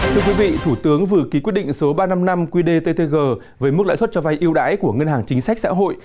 thưa quý vị thủ tướng vừa ký quyết định số ba trăm năm mươi năm qdttg với mức lãi suất cho vay yêu đái của ngân hàng chính sách xã hội